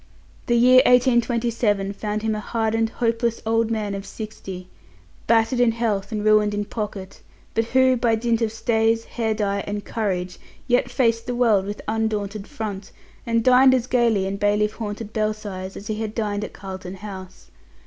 The year 1827 found him a hardened, hopeless old man of sixty, battered in health and ruined in pocket; but who, by dint of stays, hair dye, and courage, yet faced the world with undaunted front, and dined as gaily in bailiff haunted Belsize as he had dined at Carlton House.